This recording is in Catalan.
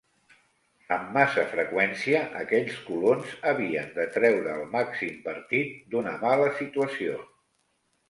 Amb massa freqüència, aquells colons havien de treure el màxim partit d'una mala situació.